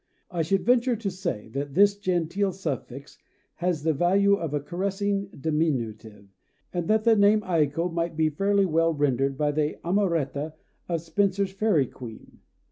I should venture to say that this genteel suffix has the value of a caressing diminutive, and that the name Aiko might be fairly well rendered by the "Amoretta" of Spenser's Faerie Queene.